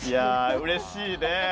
うれしいね。